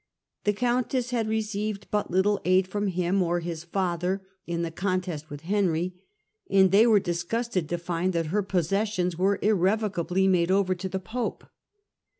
The countess had received but little aid from him or his father in the contest with Henry, and they were dis gusted to find that her possessions were irrevocably Henry is Hiado ovcr to the pope.